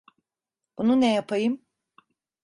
Bunu ne yapayım?